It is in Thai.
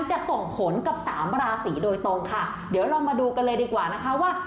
จะส่งผลกับสามราศีโดยตรงค่ะเดี๋ยวเรามาดูกันเลยดีกว่านะคะว่า